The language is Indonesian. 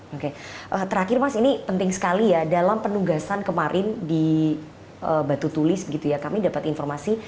oke terakhir mas ini penting sekali ya dalam penugasan kemarin di batu tulis begitu ya kami dapat informasi